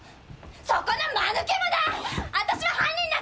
そこの間抜けもだ！